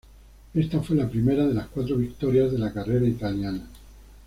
Esta fue la primera de las cuatro victorias de la carrera italiana.